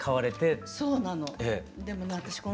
そうなの。